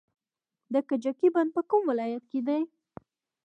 د کجکي بند په کوم ولایت کې دی؟